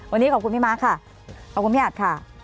วันนี้ขอบคุณพี่ม้าค่ะขอบคุณพี่อัดค่ะ